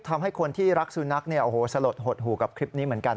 ทำให้คนที่รักสุนัขเนี่ยโอ้โหสลดหดหู่กับคลิปนี้เหมือนกัน